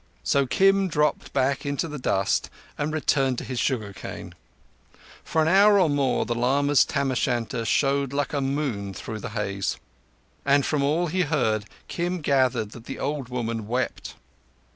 So Kim dropped back into the dust and returned to his sugar cane. For an hour or more the lama's tam o'shanter showed like a moon through the haze; and, from all he heard, Kim gathered that the old woman wept.